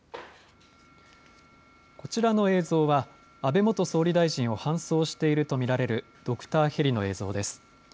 こちらの映像は安倍元総理大臣を搬送していると見られるドクターヘリの映像です。